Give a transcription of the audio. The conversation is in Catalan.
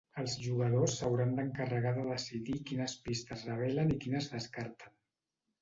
Els jugadors s’hauran d’encarregar de decidir quines pistes revelen i quines descarten.